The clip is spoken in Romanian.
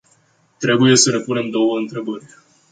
Trebuie să ne punem două întrebări.